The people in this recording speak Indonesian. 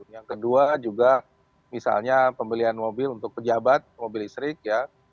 yang kedua juga misalnya pembelian mobil untuk pejabat mobil listrik ya